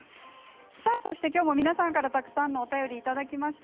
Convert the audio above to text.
今日も皆さんからの、たくさんのお便りをいただきました。